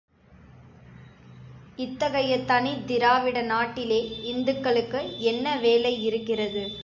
இத்தகைய தனித் திராவிட நாட்டிலே இந்துக்களுக்கு என்ன வேலை இருக்கிறது?